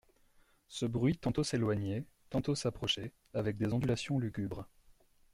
Ce bruit tantôt s'éloignait, tantôt s'approchait, avec des ondulations lugubres.